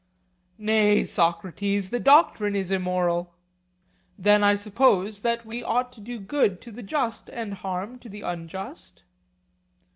Nay, Socrates; the doctrine is immoral. Then I suppose that we ought to do good to the just and harm to the unjust?